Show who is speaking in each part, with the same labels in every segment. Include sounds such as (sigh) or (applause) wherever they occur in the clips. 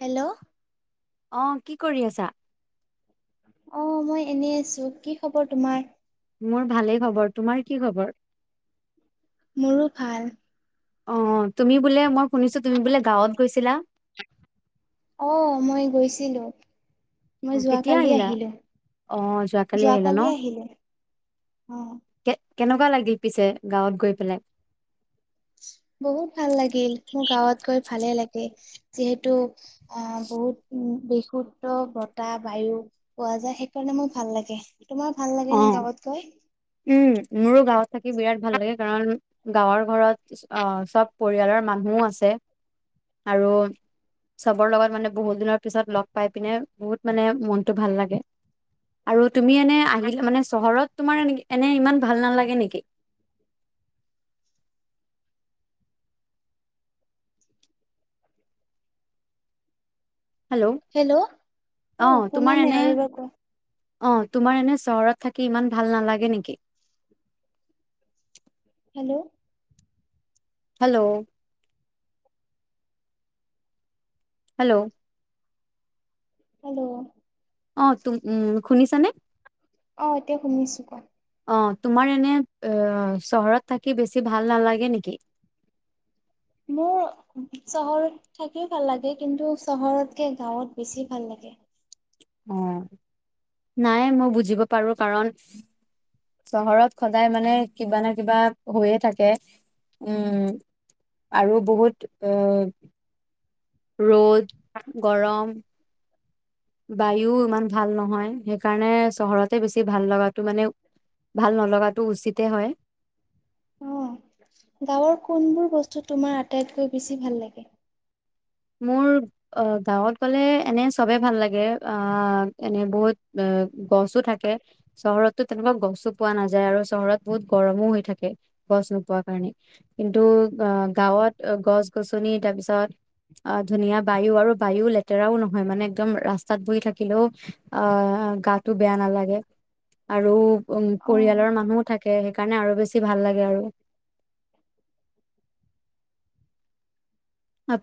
Speaker 1: Hello.
Speaker 2: অ' কি কৰি আছা?
Speaker 1: অ' মই এনে আছো। কি খবৰ তোমাৰ?
Speaker 2: মোৰ ভালেই খবৰ। তোমাৰ কি খবৰ?
Speaker 1: মোৰো ভাল।
Speaker 2: অ', অ' তুমি বোলে মই শুনিছো তুমি বোলে গাঁৱত গৈছিলা।
Speaker 1: অ মই গৈছিলো মই
Speaker 2: অ' কেতিয়া
Speaker 1: যোৱাকালি
Speaker 2: আহিলা?
Speaker 1: আহিলো
Speaker 2: অ' যোৱাকালি আহিলা ন।
Speaker 1: অ'
Speaker 2: কে কেনেকুৱা লাগিল পিছে গাঁৱত গৈ পেলাই?
Speaker 1: বহুত ভাল লাগিল। মোৰ গাঁৱত গৈ ভালে লাগে যিহেতু আহ বহুত বিশুদ্ধ বতাহ বায়ু পোৱা যায় সেইকাৰণে মোৰ ভাল লাগে। তোমাৰ ভাল লাগে নে
Speaker 2: অ'
Speaker 1: গাঁৱত গৈ
Speaker 2: উম। মোৰো গাঁৱত থাকি বিৰাট ভাল লাগে কাৰণ গাঁৱৰ। ঘৰত অ চব পৰিয়ালৰ মানুহও আছে আৰু চবৰ লগত মানে বহুত দিনৰ পিছত লগ পাই পিনে বহুত মানে মনতটো ভাল লাগে আৰু তুমি এনে আহিলে। মানে চহৰত তোমাৰ এনে ইমান। ভাল নালাগে নেকি?
Speaker 1: (inaudible) হেল্ল' অ'
Speaker 2: তোমাৰ
Speaker 1: শুনা নে
Speaker 2: এনে
Speaker 1: আৰু এবাৰ ক
Speaker 2: অ' তোমাৰ এনে চহৰত থাকি ইমান ভাল নালাগে নেকি?
Speaker 1: হেল্ল'।
Speaker 2: হেল্ল'। হেল্ল'।
Speaker 1: হেল্ল'।
Speaker 2: অ' তুম, উম। শুনিছানে?
Speaker 1: অ' এতিয়া শুনিছো কোৱা।
Speaker 2: অ' তোমাৰ এনে এ চহৰত থাকি বেছি ভাল নালাগে নেকি?
Speaker 1: মোৰ চহৰত থাকিও ভাল লাগে কিন্তু চহৰতকে গাঁৱত বেছি ভাল লাগে।
Speaker 2: অ' নাই মই বুজিব পাৰো কাৰণ চহৰত সদায় মানে কিবা ন কিবা হৈয়ে থাকে। উম আৰু বহুত আহ ৰ'দ, গৰম। বায়ু ইমান ভাল নহয়। সেইকাৰণে চহৰতে বেছি ভাল লগাটো মানে ভাল নলগাটো উচিতে হয়।
Speaker 1: অ' গাঁৱৰ কোনবোৰ বস্তু তোমাৰ আটাইতকৈ বেছি ভাল লাগে?
Speaker 2: মোৰ গাঁৱত গলে এনে চবে ভাল লাগে আহ এনে বহুত এ গছো থাকে চহৰতো তেনেকুৱা গছো পোৱা নাযায় আৰু চহৰত বহুত গৰমো হৈ থাকে গছ নোপোৱা কাৰণে কিন্তু আহ গাঁৱত গছ-গছনি তাৰ পিছত। অ' ধুনীয়া বায়ু আৰু বায়ু লেতেৰাও নহয়। মানে একদম ৰাস্তাত বহি থাকিলেও আহ গাটো বেয়া নালাগে আৰু। উম।
Speaker 1: অ'
Speaker 2: পৰিয়ালৰ মানুহো থাকে। সেইকাৰণে আৰু বেছি ভাল লাগে আৰু।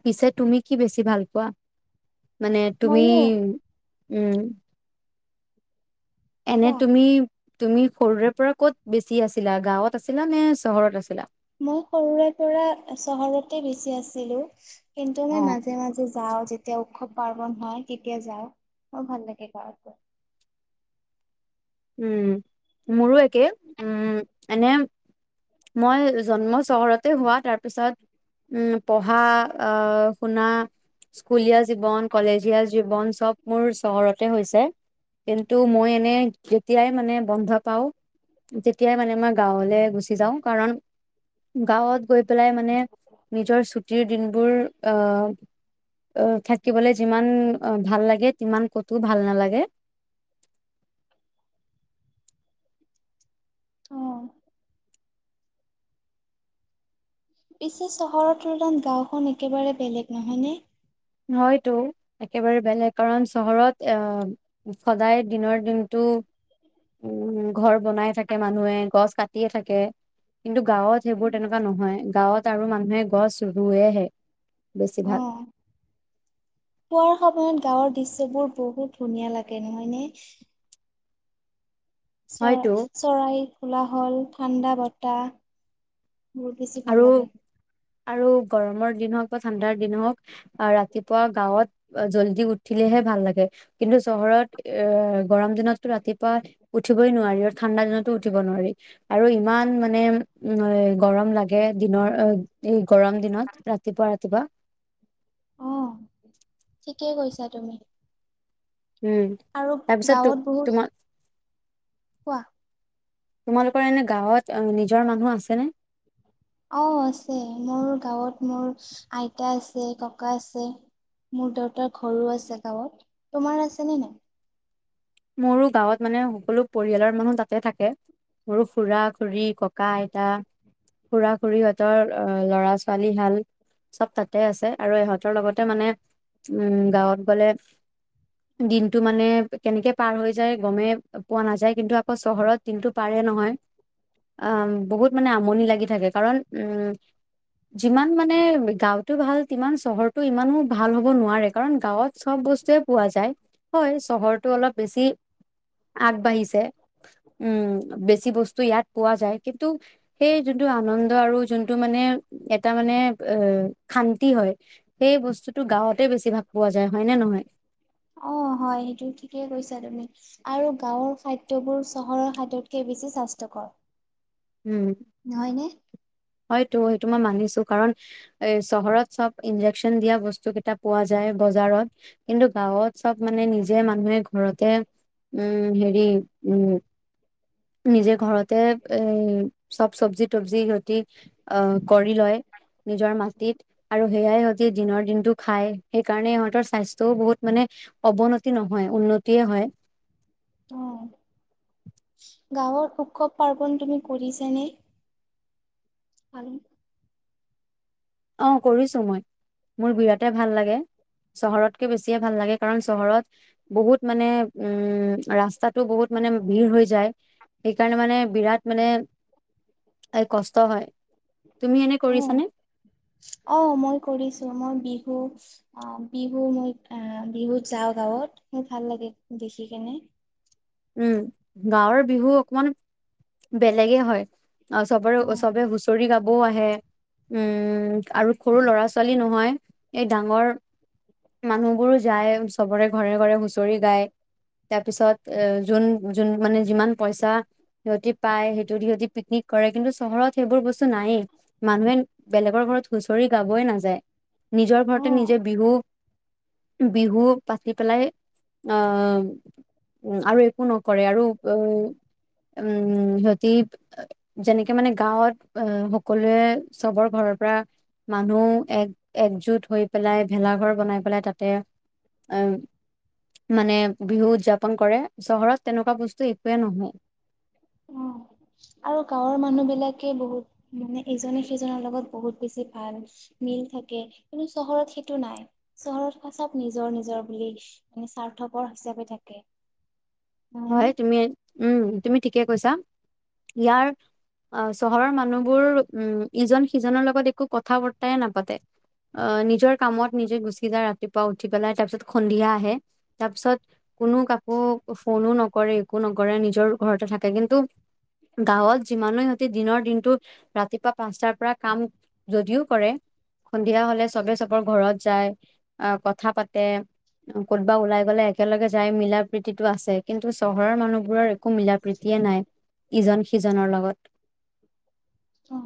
Speaker 2: পিছে তুমি কি বেছি ভাল পোৱা? মানে তুমি।
Speaker 1: ময়ো
Speaker 2: উম। এনে
Speaker 1: কোৱা
Speaker 2: তুমি। তুমি সৰুৰে পৰা ক'ত বেছি আছিলা গাঁৱত আছিলা নে চহৰত আছিলা
Speaker 1: মই সৰুৰে পৰা চহৰতে বেছি আছিলো। কিন্তু
Speaker 2: অ
Speaker 1: মই মাজে মাজে যাওঁ। যাওঁ যেতিয়া উৎসৱ পাৰ্বন হয় তেতিয়া যাওঁ মোৰ ভাল লাগে গাঁৱত গৈ
Speaker 2: উম, মোৰো একে কে উম! এনে মই জন্ম চহৰতে হোৱা তাৰ পিছত উম পঢ়া আহ শুনা স্কুলীয়া জীৱন কলেজীয়া সব মোৰ চহৰতে হৈছে কিন্তু মই এনেই যেতিয়াই মানে বন্ধ পাওঁ তেতিয়াই মানে মই গাঁৱলে গুচি যাওঁ কাৰণ গাঁৱত গৈ পেলাই মানে নিজৰ ছুটিৰ দিনবোৰ আহ আহ থাকিবলৈ যিমান ভাল লাগে সিমান কতো ভাল নালাগে
Speaker 1: অহ। পিছে চহৰৰ তুলনাত গাঁওখন একেবাৰে বেলেগ নহয়নে।
Speaker 2: হয়তো একেবাৰে বেলেগ কাৰণ চহৰত আহ সদায় দিনৰ দিনতটো উম ঘৰ বনাই থাকে মানুহে গছ কাটিয়ে থাকে কিন্তু, গাঁৱত সেইবোৰ তেনেকুৱা নহয়। গাঁৱত আৰু মানুহে গছ ৰোৱেহে বেছিভাগ,
Speaker 1: খোৱাৰ সময়ত গাঁৱৰ দৃশ্যবোৰ বহুত ধুনীয়া লাগে নহয় নে। চৰা
Speaker 2: হয়তো
Speaker 1: চৰাই খোলা হ'ল। ঠাণ্ডা বতাহ। বহুত বেছি ভাল
Speaker 2: আৰু
Speaker 1: লাগে,
Speaker 2: আৰু গৰমৰ দিন হওক বা ঠাণ্ডাৰ দিন হওঁক আহ ৰাতিপুৱা গাঁৱত জলদি উঠিলেহে ভাল লাগে কিন্তু চহৰত এ গৰম দিনতটো ৰাতিপুৱা উঠিবই নোৱাৰি আৰু ঠাণ্ডা দিনতো উঠিব নোৱাৰি আৰু ইমান মানে গৰম লাগে দিনৰ অ' উম। গৰম দিনত ৰাতিপুৱা ৰাতিপুৱা
Speaker 1: কি কৈছা তুমি?
Speaker 2: উম
Speaker 1: আৰু
Speaker 2: তাৰপিছত ত
Speaker 1: গাঁৱত বহুত
Speaker 2: তোমাক
Speaker 1: কোৱা
Speaker 2: তোমালোকৰ এনে গাঁৱত নিজৰ মানুহ আছেনে,
Speaker 1: অ' আছে মোৰ গাঁৱত মোৰ আইতা আছে ককা আছে মোৰ দেউতাৰ ঘৰো আছে গাঁৱত তোমাৰ আছে নে নাই
Speaker 2: মোৰো গাঁৱত মানে সকলো পৰিয়ালৰ মানুহ তাতে থাকে মোৰ খুৰা খুৰী ককা আইতা খুৰা খুৰী সহঁতৰ আহ ল'ৰা ছোৱালী হাল চব তাতে আছে আৰু ইহঁতৰ লগতে মানে উম গাঁৱত গলে দিনটো মানে কেনেকে পাৰ হৈ যায় গমেই পোৱা নাযায় কিন্তু, অ' চহৰত কিন্তু পাৰে নহয় অ' বহুত মানে আমনি লাগি থাকে, কাৰণ উম যিমান মানে গাঁওতো ভাল সিমান চহৰটো ইমানো ভাল হ'ব নোৱাৰে। কাৰণ গাঁৱত চব বস্তুয়ে পোৱা যায়, হয়। চহৰতো অলপ বেছি আগবাঢ়িছে উম বেছি বস্তু ইয়াত পোৱা যায়। কিন্তু সেই যোনটো আনন্দ আৰু যোনটো মানে এটা মানে এ শান্তি হয় সেই বস্তুতটো গাঁৱতে বেছি ভাগ পোৱা যায় হয় নে নহয়?
Speaker 1: অ' হয় সেইটো ঠিকেই কৈছে। ছা তুমি, আৰু গাঁৱৰ খাদ্যবোৰ চহৰৰ খাদ্যতকে বেছি স্বাস্থ্যকৰ।
Speaker 2: উম,
Speaker 1: নহয়নে
Speaker 2: হয়তো। তোমাক মানিছো কাৰণ এ চহৰত চব ইন্জেকচন দিয়া বস্তু কেইটা পোৱা যায় বজাৰত। কিন্তু গাঁৱত চব মানে নিজে মানুহে ঘৰতে উম হেৰি উম নিজে ঘৰতে এ চব চব্জি তবজি ঘটি অ' কৰি লয়, নিজৰ মাটিত আৰু সেয়াই সিহঁতি দিনৰ দিনটো খায়, সেইকাৰণে সিহঁতৰ স্বাস্থ্যও বহুত মানে অৱনতি নহয়, উন্নতিয়ে হয়
Speaker 1: অ' গাঁৱৰ উৎসৱ পাৰ্বন তুমি কৰিছাঁ নে? (inaudible)
Speaker 2: অ', কৰিছোঁ মই, মোৰ বিৰাটে ভাল লাগে। চহৰতকে বেছিয়ে ভাল লাগে, কাৰণ চহৰত বহুত মানে উম, ৰাস্তাটো বহুত মানে ভিৰ হৈ যায়। সেইকাৰণে মানে বিৰাট মানে, এই কষ্ট হয়। তুমি এনে কৰিছানে?
Speaker 1: অ', মই কৰিছোঁ। মই বিহু, অ' বিহু মই, এ বিহুত যাওঁ গাঁৱত, মোৰ ভাল লাগে দেখি কেনে
Speaker 2: উম, গাঁৱৰ বিহু অকমান বেলেগে হয়। অ, চবৰে,
Speaker 1: অ
Speaker 2: চবে হুঁচৰি গাব বও আহে, উম, আৰু সৰু ল'ৰা ছোৱালী নহয়, এই ডাঙৰ মানুহবোৰো যায় চবৰে ঘৰে ঘৰে হুঁচৰি গায়, তাৰ পিছত এ জোন, জোন মানে যিমান পইচা সিহঁতি পায়, সেইটোদি সিহঁতি পিকনিক কৰে, কিন্তু চহৰত সেইবোৰ বস্তু নায়েই। মানুহে বেলেগৰ ঘৰত হুঁচৰি গাবই নাযায়। নিজৰ ঘৰতেে
Speaker 1: অ
Speaker 2: নিজে বিহু বিহু পাতি পেলাই আহ উ আৰু একো নকৰে, আৰু এ উম সিহতি যেনেকে মানে গাঁৱত আহ সকলোৱে চবৰ ঘৰৰ পৰা মানুহ এক একজোট হৈ পেলাই ভেলাঘৰ বনাই পেলাই তাতে এ মানে বিহু উৎযাপন- পন কৰে চহৰত তেনেকুৱা বস্তু একোৱে নহয়।
Speaker 1: অ' আৰু গাঁৱৰ মানুহ বিলাকে বহুত মানে ইজনে সিজনৰ লগত বহুত বেছি ভাল মিল থাকে, কিন্তু চহৰত সেইটো নাই। চহৰত সব নিজৰ নিজৰ বুলি মানে স্বাৰ্থপৰ হিচাপে থাকে। নহয়নে
Speaker 2: হয়। তুমি উম তুমি ঠিকে কৈছা, ইয়াৰ চহৰৰ মানুহবোৰ উম ইজন সিজনৰ লগত একো কথা বৰ্তাই নাপাতে, আহ নিজৰ কামত নিজে গুচি যায় ৰাতিপুৱা উঠি পেলাই তাৰ পিছত সন্ধিয়া আহে তাৰ পিছত কোনো কাকো ফোনো নকৰে একো নকৰে নিজৰ ঘৰতে থাকে, কিন্তু গাঁৱত যিমানো সিহ'তি দিনৰ দিনটো ৰাতিপুৱা পাঁচটাৰ পৰা কাম যদিওঁ কৰে সন্ধিয়া হ'লে চবে চব বাৰ ঘৰত যাই, আহ কথা পাতে, ক'তবা ওলাই গ'লে একেলগে যাই মিলা প্ৰতিটো আছে। কিন্তু চহৰৰ মানুহবোৰৰ একো মিলাপ্ৰীতিয়ে নাই ইজন সিজনৰ লগত।
Speaker 1: অ'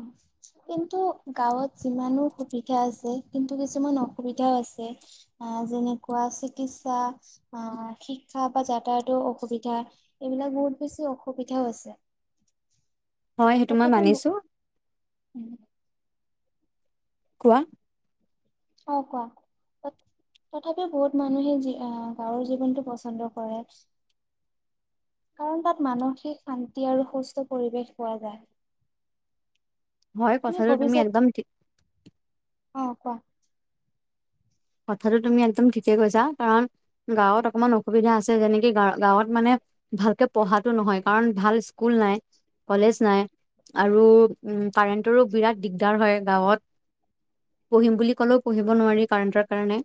Speaker 1: কিন্তু গাঁৱত যিমানো সুবিধা আছে কিন্তু কিছুমান অসুবিধাওঁ আছে, যেনেকুৱা চিকিৎসা আহ শিক্ষা বা যাতায়াতৰ অসুবিধা এইবিলাক বহুত বেছি অসুবিধাওঁ আছে।
Speaker 2: হয় সেইটো মই
Speaker 1: তথাপিও
Speaker 2: মানিছো।
Speaker 1: উম,
Speaker 2: কোৱা?
Speaker 1: অ' কোৱা? তথাপিও বহুত মানুহে আহ গাঁৱৰ জীৱনটো পচন্দ কৰে কাৰণ তাত মানসিক শান্তি আৰু সুস্থ পৰিৱেশ পোৱা যায়।
Speaker 2: হয় কথাৰো তুমি একদম ঠি
Speaker 1: অ' কোৱা?
Speaker 2: কথাটো তুমি একদম ঠিকেই কৈছা। কাৰণ গাঁৱত অকমান অসুবিধা আছে যেনেকি গা গাঁৱত মানে ভালকে পঢ়াতো নহয়, কাৰণ ভাল স্কুল নাই কলেজ নাই আৰু উ কাৰেণ্টৰো বিৰাট দিগদাৰ হয়। গাঁৱত পঢ়িম বুলি ক'লেওঁ পঢ়িব নোৱাৰি কাৰেণ্টত কাৰণে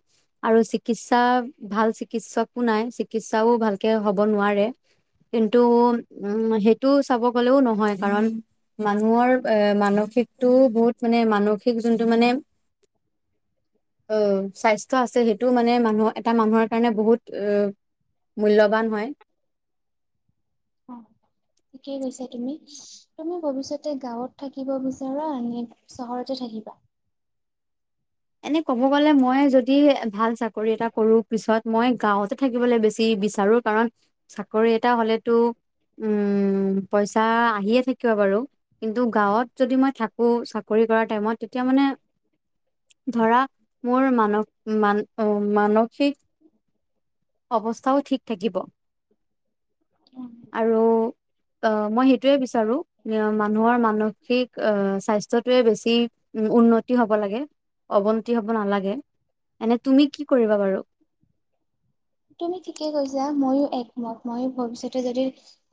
Speaker 2: আৰু চিকিৎসা ভাল চিকিৎসকো নাই, চিকিৎসাওঁ ভালকে হ'ব নোৱাৰে। কিন্তু উম সেইটো চাব গলেওঁ নহয় কাৰণ মানুহৰ এ মানসিকটো বহুত মানে মানসিক যোনটো মানে অ' স্বাস্থ্য আছে সেইটো মানে মানুহৰ এটা মানুহৰ কাৰণে বহুত মূল্যবান হয়।
Speaker 1: অ' ঠিকেই কৈছা তুমি, তুমি ভৱিষ্যতে গাঁৱত থাকিব বিচাৰা নে চহৰতে থাকিবা?
Speaker 2: এনে ক'ব গ'লে মই যদি ভাল চাকৰি এটা কৰো, পিছত মই গাঁওঁতে থাকিবলৈ বেছি বিচাৰো। কাৰণ চাকৰি এটা হ'লেতো উ পইচা আহিয়ে থাকিব বাৰু, কিন্তু গাঁৱত যদি মই থাকো চাকৰি কৰা টাইমত তেতিয়া মানে ধৰা মোৰ মানস মান মানসিক অৱস্থাওঁ ঠিক থাকিব। আৰু অহ মই সেইটোৱে বিচাৰো, মানুহৰ মানসিক স্বাস্থ্যটোৱে বেছি উন্নতি হ'ব লাগে অৱনতি হ'ব নালাগে। এনে তুমি কি কৰিবা বাৰ?
Speaker 1: তুমি ঠিকে কৈছা, ময়ো একমত ময়ো ভৱিষ্যতে যদি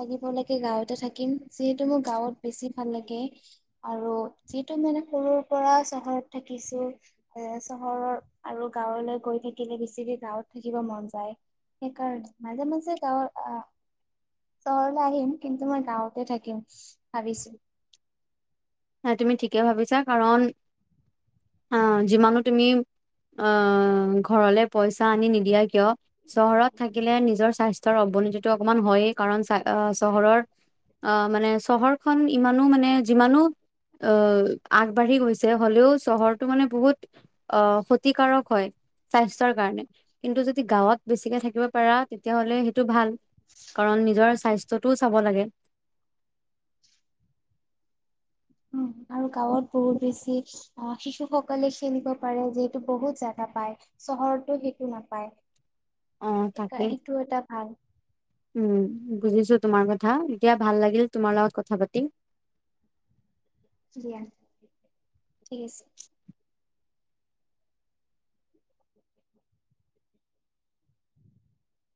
Speaker 1: থাকিব লাগে গাঁৱতে থাকিম। যিহেতু মোৰ গাঁৱত বেছি ভাল লাগে আৰু যিহেতু মানে সৰুৰ পৰা চহৰত থাকিছো, এ চহৰৰ পৰা গাঁৱলৈ গৈ থাকিলে বেছিক গাঁৱত থাকিব মন যায়। সেইকাৰণ, মাজে মাজে গাঁৱৰ আহ চহৰলৈ আহিম কিন্তু মই গাঁৱতে থাকিম ভাবিছো
Speaker 2: তুমি ঠিকে ভাবিছা, কাৰণ অহ যিমানো তুমি অহ ঘৰলে পইচা আনি নিদিয়া কিয় চহৰত থাকিলে নিজৰ স্বাস্থ্যৰ অৱনতিটো অকমান হয়েই। কাৰণ চ চহৰৰ আহ মানে চহৰখন ইমানো মানে যিমানো অহ আগবাঢ়ি গৈছে হ'লেও চহৰটো মানে বহুত আহ ক্ষতিকাৰক হয় স্বাস্থ্যৰ কাৰণে। কিন্তু যদি গাঁৱত বেছিকে থাকিব পাৰা তেতিয়াহলে সেইটো ভাল। কাৰণ নিজৰ স্বাস্থ্যটোও চাব লাগে
Speaker 1: উম আৰু গাঁৱত বহুত বেছি অ' শিশুসকলে খেলিব পাৰে যিহেতু বহুত জাগা পায় চহৰতো সেইটো নাপায়।
Speaker 2: অ তাকে
Speaker 1: সেইটো এটা ভাল
Speaker 2: উম বুজিছো তোমাৰ কথা, এতিয়া ভাল লাগিল তোমাৰ লগত কথা পাতি
Speaker 1: দিয়া, ঠিক আছে।